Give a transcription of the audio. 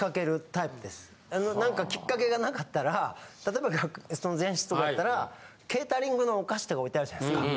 なんかきっかけがなかったら例えば前室とかだったらケータリングのお菓子とか置いてあるじゃないですか。